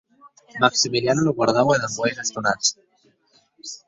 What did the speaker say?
Maximiliano lo guardaue damb uelhs estonats.